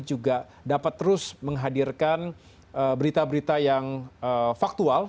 juga dapat terus menghadirkan berita berita yang faktual